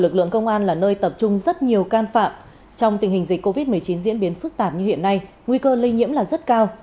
lực lượng công an là nơi tập trung rất nhiều can phạm trong tình hình dịch covid một mươi chín diễn biến phức tạp như hiện nay nguy cơ lây nhiễm là rất cao